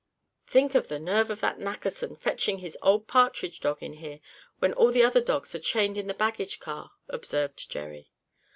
"Think of the nerve of that Nackerson, fetching his old partridge dog in here, when all the other dogs are chained in the baggage car," observed Jerry.